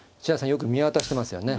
よく見渡してますよね。